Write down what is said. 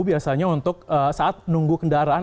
biasanya untuk saat nunggu kendaraan